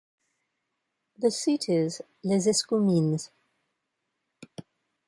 The seat is Les Escoumins.